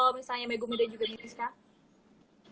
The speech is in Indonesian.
misalnya megumi dan juga miriska